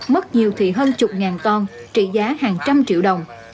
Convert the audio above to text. mất nhiều thì hơn chục ngàn con trị giá hàng trăm triệu đồng